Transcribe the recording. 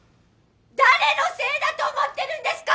誰のせいだと思ってるんですか！？